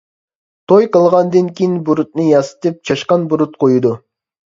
توي قىلغاندىن كېيىن بۇرۇتىنى ياسىتىپ، «چاشقان بۇرۇت» قويىدۇ.